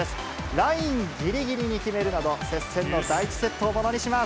ラインぎりぎりに決めるなど、接戦の第１セットをものにします。